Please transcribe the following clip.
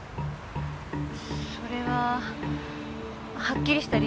それははっきりした理由はないけど。